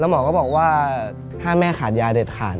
หมอก็บอกว่าถ้าแม่ขาดยาเด็ดขาด